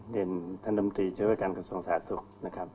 เรียนท่านดำตรีเชื้อการกระทรวงศาสตร์สุข